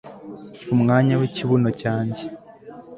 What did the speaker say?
Umwanya wikibuno cyanjye